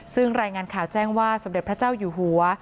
ซึ่งรายงานข่าวแจ้งว่าสมเด็จพระเจ้าอยู่หัว